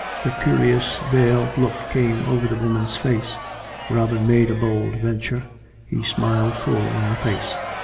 A curious veiled look came over the woman's face. Robin made a bold venture. He smiled full in her face.